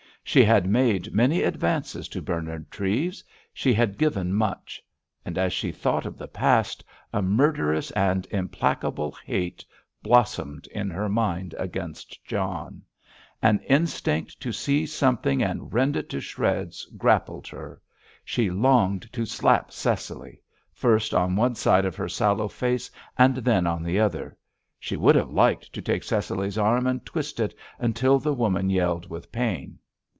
She had made many advances to Bernard Treves—she had given much. And, as she thought of the past, a murderous and implacable hate blossomed in her mind against John. An instinct to seize something and rend it to shreds grappled her. She longed to slap Cecily—first on one side of her sallow face and then on the other. She would have liked to take Cecily's arm and twist it until the woman yelled with pain.